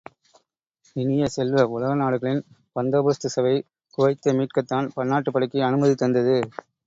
இனிய செல்வ, உலக நாடுகளின் பந்தோபஸ்து சபை குவைத்தை மீட்கத்தான் பன்னாட்டுப் படைக்கு அனுமதி தந்தது.